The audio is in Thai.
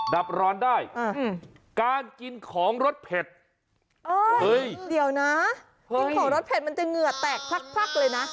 ดับร้อนได้การกินของรสเผ็ดเอ้ยเดี๋ยวนะกินของรสเผ็ดมันจะเหงื่อแตกพลักเลยนะ